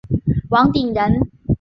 王鼎人。